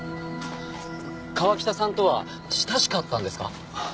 川喜多さんとは親しかったんですか？